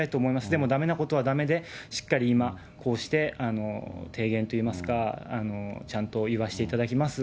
でも、だめなことはだめで、今、こうして提言といいますか、ちゃんと言わせていただきます。